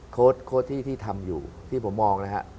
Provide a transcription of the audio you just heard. โค้ดที่ทำอยู่ที่ผมมองนะฮะ